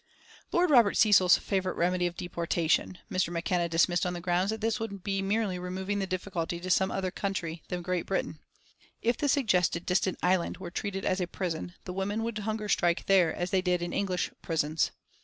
Lord Robert Cecil's favourite remedy of deportation Mr. McKenna dismissed on the grounds that this would be merely removing the difficulty to some other country than Great Britain. If the suggested distant island were treated as a prison the women would hunger strike there as they did in English prisons.